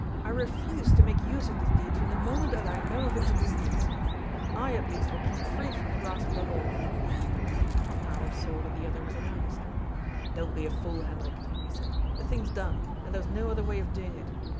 I refuse to make use of this deed from the moment that I know of its existence. I at least will keep free from the grasp of the law." Alers saw that the other was in earnest " Don't be a fool, Hendrik," he said. " The thing's done, and there was no other way of doing it.